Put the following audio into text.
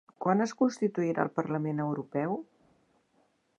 Quan es constituirà el Parlament Europeu?